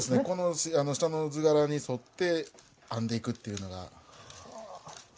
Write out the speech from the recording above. この下の図柄に沿って編んでいくっていうのが。